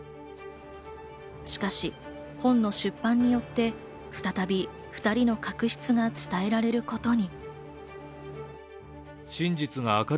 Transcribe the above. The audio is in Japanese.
しかし本の出版によって再び２人の確執が伝えられることに。